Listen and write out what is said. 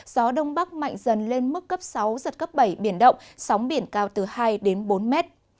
gió đông bắc mạnh dần lên mức cấp sáu giật cấp bảy biển động sóng biển cao từ hai đến bốn mét